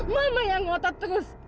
mama yang ngotot terus